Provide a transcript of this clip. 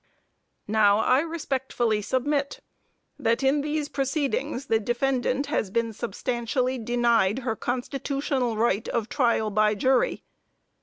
Now I respectfully submit, that in these proceedings the defendant has been substantially denied her constitutional right of trial by jury.